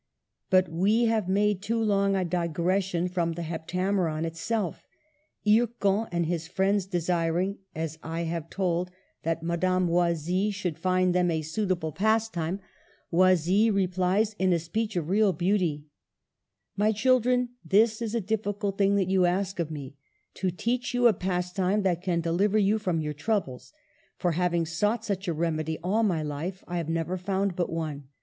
But we have made too long a digression from the " Heptameron " itself. Hircan and his friends desiring, as I have told, that Madame Oisille 220 MARGARET OF ANGOULEME. should find them a suitable pastime, Oisille re plies in a speech of real beauty :—" My children, this is a difficult thing that you ask of me, — to teach you a pastime that can deliver you from your troubles ; for, having sought such a remedy all my life, I have never found but one.